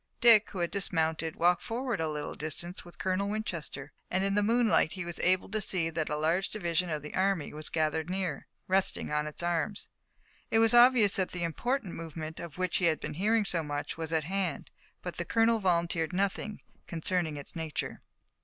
Dick, who had dismounted, walked forward a little distance with Colonel Winchester, and, in the moonlight, he was able to see that a large division of the army was gathered near, resting on its arms. It was obvious that the important movement, of which he had been hearing so much, was at hand, but the colonel volunteered nothing concerning its nature.